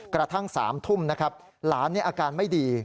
กระทั่ง๓ทุ่มนะครับหลานอาการไม่ดี